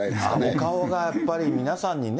お顔がやっぱり皆さんにね。